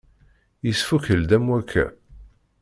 Yesfukel-d am wakka.